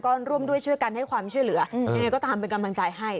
ก็ร่วมด้วยช่วยกันให้ความช่วยเหลือยังไงก็ตามเป็นกำลังใจให้